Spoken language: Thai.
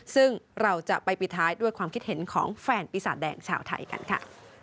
ซึ่งเราจะไปปิดท้ายด้วยความคิดเห็นของแฟนปีศาจแดงชาวไทยกันค่ะ